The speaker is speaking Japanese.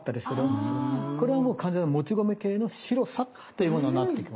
これはもう完全にもち米系の白さっていうものになってきます。